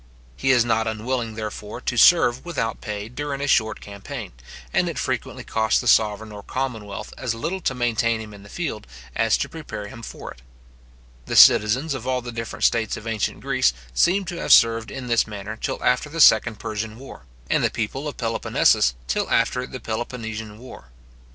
He is not unwilling, therefore, to serve without pay during a short campaign; and it frequently costs the sovereign or commonwealth as little to maintain him in the field as to prepare him for it. The citizens of all the different states of ancient Greece seem to have served in this manner till after the second Persian war; and the people of Peloponnesus till after the Peloponnesian war.